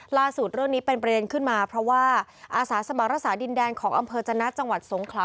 ล่าสุดเรื่องนี้เป็นประเด็นขึ้นมาเพราะว่าอาสาสมัครรักษาดินแดนของอำเภอจนะจังหวัดสงขลา